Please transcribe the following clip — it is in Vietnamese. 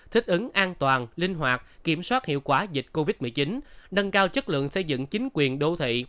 thích ứng an toàn linh hoạt kiểm soát hiệu quả dịch covid một mươi chín nâng cao chất lượng xây dựng chính quyền đô thị